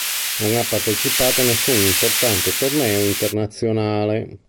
Non ha partecipato a nessun importante torneo internazionale.